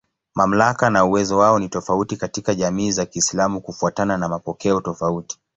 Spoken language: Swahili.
Mamlaka na uwezo wao ni tofauti katika jamii za Kiislamu kufuatana na mapokeo tofauti.